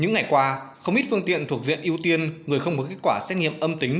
những ngày qua không ít phương tiện thuộc diện ưu tiên người không có kết quả xét nghiệm âm tính